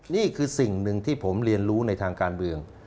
นี่คือสิ่งหนึ่งที่ผมเรียนรู้ในทางการเมือง